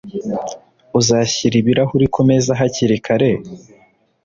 Uzashyira ibirahuri kumeza hakiri kare?